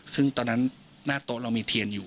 ซึ่งตอนนั้นหน้าโต๊ะเรามีเทียนอยู่